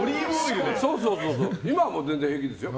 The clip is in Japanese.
今はもう全然平気ですよ。